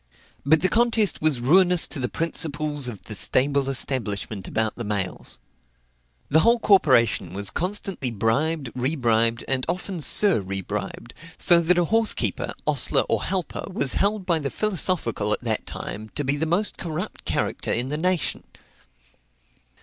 But the contest was ruinous to the principles of the stable establishment about the mails. The whole corporation was constantly bribed, rebribed, and often sur rebribed; so that a horse keeper, ostler, or helper, was held by the philosophical at that time to be the most corrupt character in the nation.